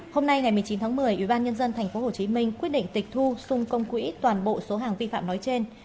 hôm nay ngày một mươi chín tháng một mươi ubnd tp hcm quyết định tịch thu xung công quỹ toàn bộ số hàng vi phạm nói trên